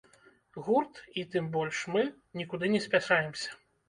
Гурт і, тым больш, мы нікуды не спяшаемся.